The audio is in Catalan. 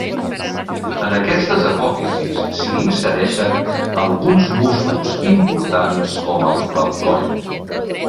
En aquestes apòfisis s'hi insereixen alguns músculs importants com els del coll.